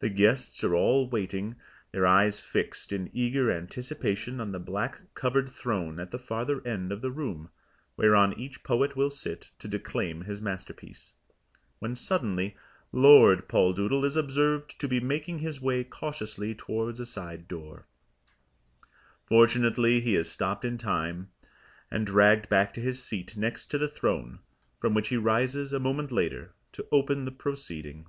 The guests are all waiting, their eyes fixed in eager anticipation on the black covered throne at the farther end of the room, whereon each poet will sit to declaim his masterpiece, when suddenly Lord Poldoodle is observed to be making his way cautiously towards a side door. Fortunately he is stopped in time, and dragged back to his seat next to the throne, from which he rises a moment later to open the proceeding.